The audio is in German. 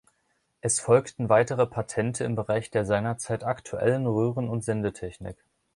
Es folgten weitere Patente im Bereich der seinerzeit aktuellen Röhren- und Sendetechnik.